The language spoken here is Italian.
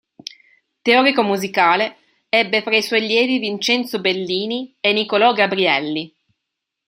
Teorico musicale, ebbe fra i suoi allievi Vincenzo Bellini e Nicolò Gabrielli.